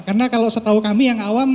karena kalau setahu kami yang awam